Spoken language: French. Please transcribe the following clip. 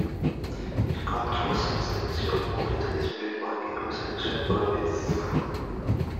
Il compte soixante sélections pour treize buts marqués en sélection polonaise.